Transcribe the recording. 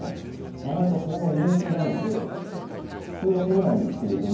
なかなかそこも人気なので普通は取れないんですけれども。